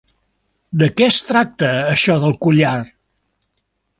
De què es tracta això del collar?